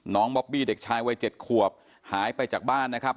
บอบบี้เด็กชายวัย๗ขวบหายไปจากบ้านนะครับ